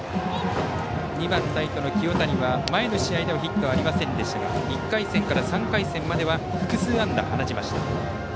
２番ライトの清谷は前の試合でヒットはありませんでしたが１回戦から３回戦までは複数安打を放ちました。